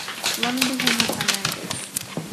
London became her primary base.